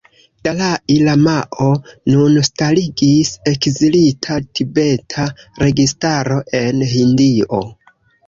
Dalai Lamao nun starigis Ekzilita tibeta registaro en Hindio.